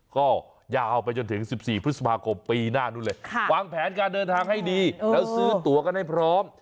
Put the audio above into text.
ก็ยาวไปจนถึง๑๔พฤษภาคมปีหน้านู้นเลยวางแผนการเดินทางให้ดีแล้วซื้อตัวกันให้พร้อม